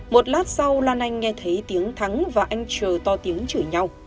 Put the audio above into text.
một lát sau lan anh nghe thấy tiếng thắng và anh chờ to tiếng chửi nhau